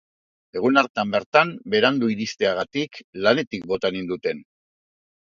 Egun hartan bertan berandu iristeagatik, lanetik bota ninduten.